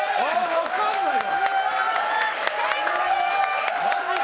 分かんないわ。